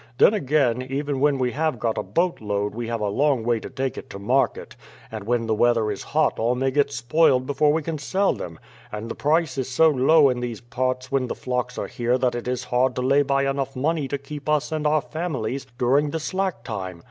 Then, again, even when we have got a boat load we have a long way to take it to market, and when the weather is hot all may get spoiled before we can sell them; and the price is so low in these parts when the flocks are here that it is hard to lay by enough money to keep us and our families during the slack time.